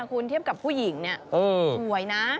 คุณเทียบกับผู้หญิงเนี่ยสวยนะ